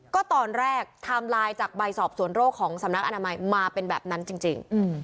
ก็ตอนแรกไทม์ไลน์จากใบสอบสวนโรคของสำนักอนามัยมาเป็นแบบนั้นจริง